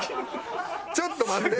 ちょっと待って。